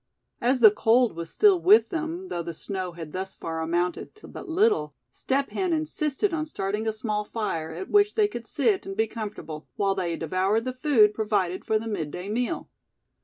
As the cold was still with them, though the snow had thus far amounted to but little, Step Hen insisted on starting a small fire, at which they could sit, and be comfortable, while they devoured the food provided for the midday meal.